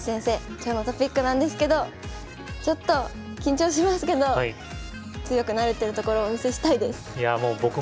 今日のトピックなんですけどちょっと緊張しますけど強くなれてるところをお見せしたいです。